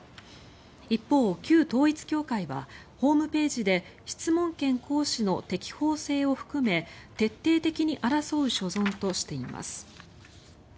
一方、旧統一教会はホームページで質問権行使の適法性を含め徹底的に争う所存としています。